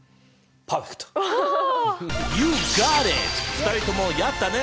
２人ともやったね。